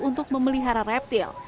untuk memelihara reptil